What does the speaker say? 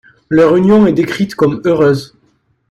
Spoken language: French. Leur union est décrite comme heureuse.